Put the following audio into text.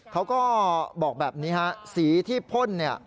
เขาก็บอกแบบนี้ฮะ